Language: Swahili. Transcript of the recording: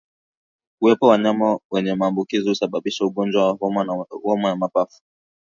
Kuwepo wanyama wenye maambukizi husababisha ugonjwa wa homa ya mapafu